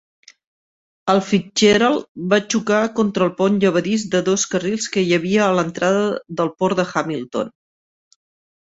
El Fitzgerald va xocar contra el pont llevadís de dos carrils que hi havia a l'entrada del port de Hamilton.